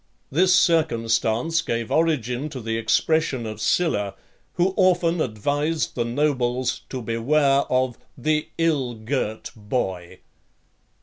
This circumstance gave origin to the expression of Sylla, who often advised the nobles to beware of "the ill girt boy."